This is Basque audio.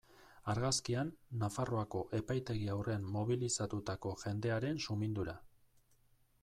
Argazkian, Nafarroako epaitegi aurrean mobilizatutako jendearen sumindura.